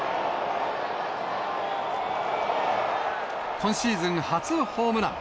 今シーズン初ホームラン。